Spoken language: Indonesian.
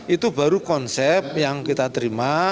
itu baru konsep yang kita terima